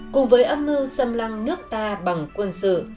cùng với âm mưu xâm lăng nước ta bằng quân sự